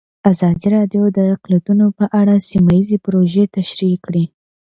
ازادي راډیو د اقلیتونه په اړه سیمه ییزې پروژې تشریح کړې.